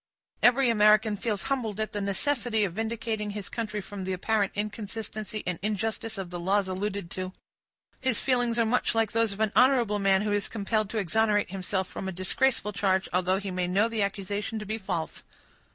Every American feels humbled at the necessity of vindicating his country from the apparent inconsistency and injustice of the laws alluded to. His feelings are much like those of an honorable man who is compelled to exonerate himself from a disgraceful charge, although he may know the accusation to be false.